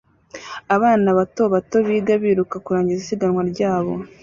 Abana bato bato biga biruka kurangiza isiganwa ryabo